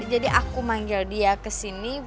jadi aku manggil dia ke sini